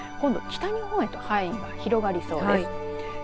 今度、北日本へと範囲が広がりそうです。